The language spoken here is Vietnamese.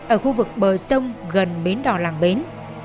ở khu vực bờ sông gần bến đỏ làng bến